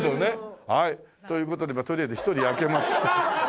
という事でとりあえず１人あけまして。